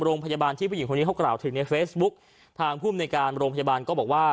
โรงพยาบาลที่ผู้หญิงคนนี้เขากล่าวถึงในเฟซบุ๊กทางภูมิในการโรงพยาบาลก็บอกว่า